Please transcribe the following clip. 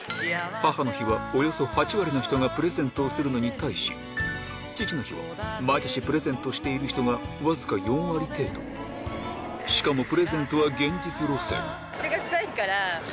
母の日はおよそ８割の人がプレゼントをするのに対し父の日は毎年プレゼントしている人がわずか４割程度しかも何？